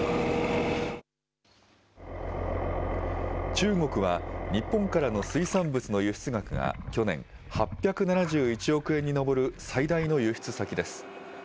中国は、日本からの水産物の輸出額が去年、８７１億円に上る最大の輸出先です。